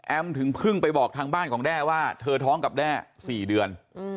ถึงเพิ่งไปบอกทางบ้านของแด้ว่าเธอท้องกับแด้๔เดือน